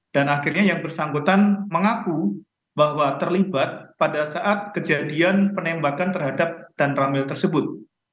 dan akhirnya yang bersangkutan mengaku bahwa terlibat pada saat kejadian penembakan terhadap dan ramil tersebut